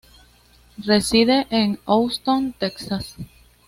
Reside en Houston, Texas.